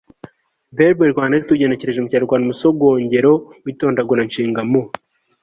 verbe rwandais tugenekereje mu kinyarwanda umusogongero w'itondaguranshinga mu